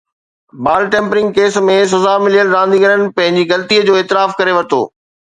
بال tampering case ۾ سزا مليل رانديگرن پنهنجي غلطي جو اعتراف ڪري ورتو